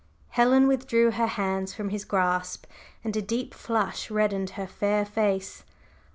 Helen withdrew her hands from his grasp and a deep flush reddened her fair face.